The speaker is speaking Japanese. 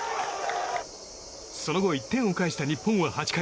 その後１点を返した日本は８回。